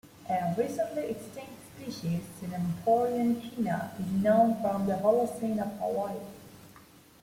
A recently extinct species, "Synemporion keana", is known from the Holocene of Hawaii.